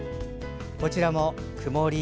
こちらも曇り。